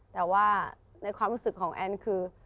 แต่ว่าในความรู้สึกของแอนคือ